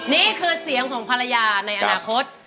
นี่คือเสียงของภรรยาในอนาคต